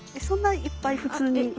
そんないっぱい普通に。